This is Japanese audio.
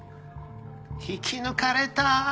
引き抜かれた。